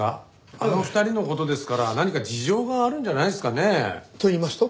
あの２人の事ですから何か事情があるんじゃないですかねえ。と言いますと？